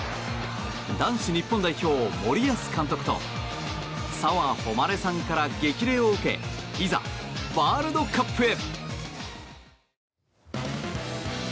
男子日本代表、森保監督と澤穂希さんから激励を受けいざワールドカップへ。